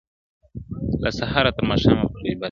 • له سهاره تر ماښامه په غیبت وي -